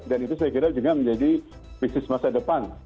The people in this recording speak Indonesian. dan itu saya kira juga menjadi bisnis masa depan